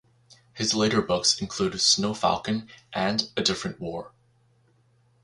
His later books include "Snow Falcon" and "A Different War".